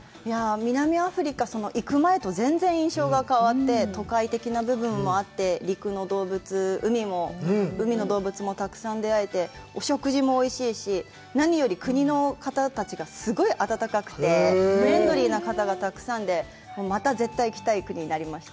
南アフリカ、行く前と全然印象が変わって、都会的な部分もあって、陸の動物、海も、海の動物もたくさん出会えて、お食事もおいしいし、何より国の方々がすごい温かくて、フレンドリーな方がたくさんで、また絶対行きたい国になりました。